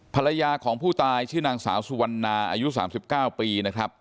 ภรรยาของผู้ตายชื่อนางสาวสุวรรณาอายุ๓๙ปีนะครับ